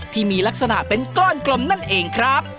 ที่มีลักษณะเป็นก้อนกลมนั่นเองครับ